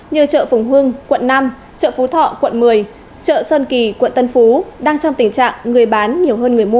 như chợ phùng hưng quận năm chợ phú thọ quận một mươi chợ sơn kỳ quận tân phú đang trong tình trạng người bán nhiều hơn người mua